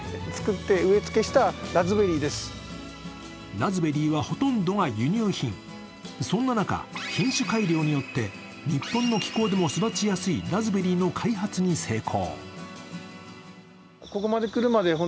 ラズベリーは、ほとんどが輸入品そんな中、品種改良によって日本の気候でも育ちやすいラズベリーの開発に成功。